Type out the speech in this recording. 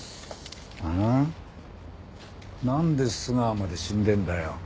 なんで須川まで死んでんだよ。